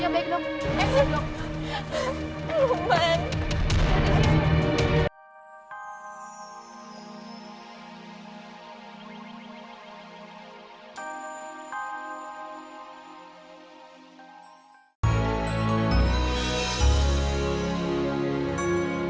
tidak pernah sempurna